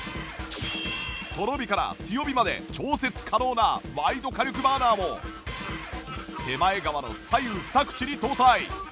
とろ火から強火まで調節可能なワイド火力バーナーも手前側の左右２口に搭載